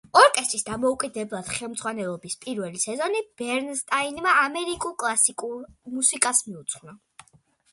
ორკესტრის დამოუკიდებლად ხელმძღვანელობის პირველი სეზონი ბერნსტაინმა ამერიკულ კლასიკურ მუსიკას მიუძღვნა.